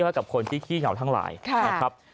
ให้กับคนที่ขี้เหงาทั้งหลายนะครับ